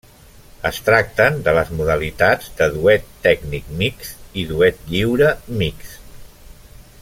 Es tracten de les modalitats de duet tècnic mixt i duet lliure mixt.